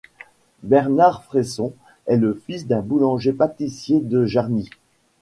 Bernard Fresson est le fils d'un boulanger-pâtissier de Jarny.